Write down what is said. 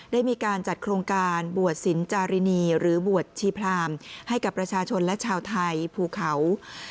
ได้มีการจัดโครงการบวชสินจารินีหรือบวชชีพรามให้กับประชาชนและชาวไทยภูเขา